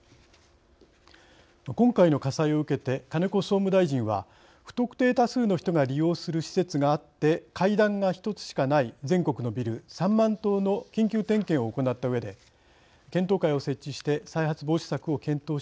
今回の火災を受けて金子総務大臣は不特定多数の人が利用する施設があって階段が１つしかない全国のビル３万棟の緊急点検を行ったうえで検討会を設置して再発防止策を検討していく考えを示しました。